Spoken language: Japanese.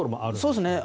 そうですね。